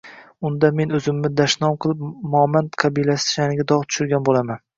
Unda men o’zimni badnom qilib, momand qabilasi sha’niga dog’ tushirgan bo’laman.